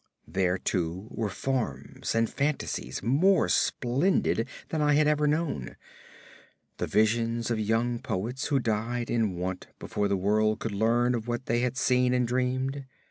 There too were forms and fantasies more splendid than any I had ever known; the visions of young poets who died in want before the world could learn of what they had seen and dreamed.